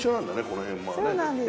この辺はね。